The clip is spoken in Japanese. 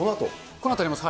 このあとやります。